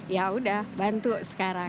ya udah bantu sekarang